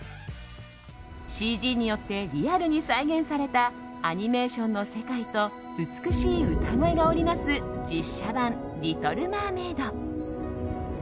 ＣＧによってリアルに再現されたアニメーションの世界と美しい歌声が織り成す実写版「リトル・マーメイド」。